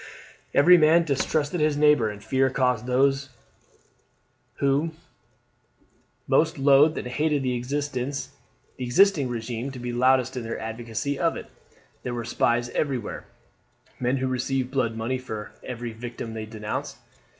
Every man distrusted his neighbour, and fear caused those who most loathed and hated the existing regime to be loudest in their advocacy of it. There were spies everywhere men who received blood money for every victim they denounced.